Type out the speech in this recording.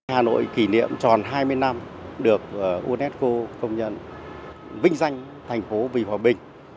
hà nội kỷ niệm tròn hai mươi năm được unesco công nhận vinh danh thành phố vì hòa bình